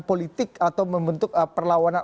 politik atau membentuk perlawanan